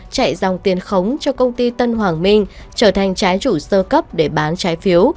chạy dòng tiền khống cho công ty tân hoàng minh trở thành trái chủ sơ cấp để bán trái phiếu